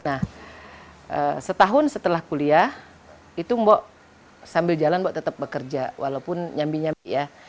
nah setahun setelah kuliah itu mbok sambil jalan mbok tetap bekerja walaupun nyambi nyambi ya